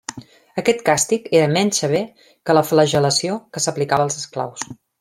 Aquest càstig era menys sever que la flagel·lació que s'aplicava als esclaus.